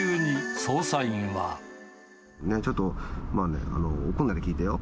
ちょっと、まあね、怒らないで聞いてよ。